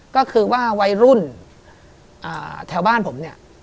ก็คือว่าวัยรุ่นแถวบ้านผม